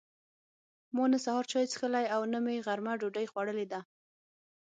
ما نه سهار چای څښلي او نه مې غرمه ډوډۍ خوړلې ده.